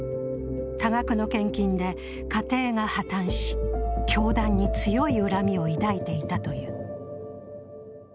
多額の献金で家庭が破綻し教団に強い恨みを抱いていたという。